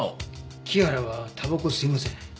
木原は煙草を吸いません。